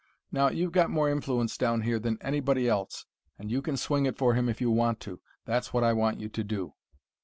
Now, you've got more influence down here than anybody else, and you can swing it for him if you want to. That's what I want you to do."